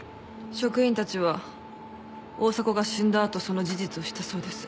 職員たちは大迫が死んだ後その事実を知ったそうです。